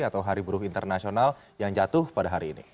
atau hari buruh internasional yang jatuh pada hari ini